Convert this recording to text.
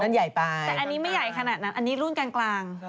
แต่อันนี้ไม่ใหญ่ขนาดนั้นอันนี้รุ่นกลาง